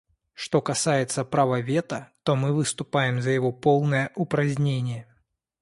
Что касается права вето, то мы выступаем за его полное упразднение.